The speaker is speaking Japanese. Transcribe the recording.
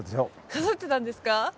数えてたんですか？